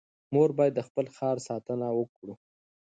موږ باید د خپل ښار ساتنه وکړو.